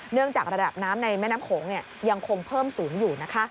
เนื่องจากระดับน้ำในแม่น้ำโขงยังคงเพิ่มสูงอยู่นะคะ